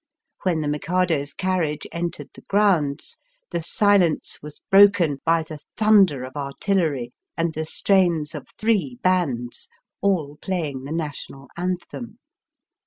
When the Mikado's carriage entered the grounds the silence was broken by the thunder of artillery and the strains of three bands, all playing the national anthem.